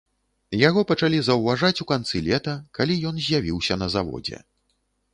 Яго пачалі заўважаць у канцы лета, калі ён з'явіўся на заводзе.